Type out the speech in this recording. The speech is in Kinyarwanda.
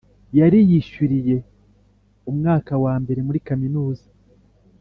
yariyishyuriye Umwaka wa mbere muri kaminuza